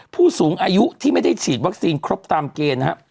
ผู้สูงอายุที่ไม่ได้ฉีดวัคซีนครบตามเกณฑ์นะครับ